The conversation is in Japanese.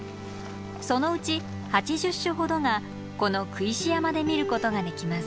そのうち８０種ほどがこの工石山で見ることができます。